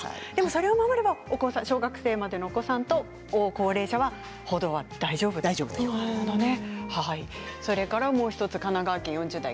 それを守れば小学生までのお子さんと高齢者は歩道も大丈夫だということですね。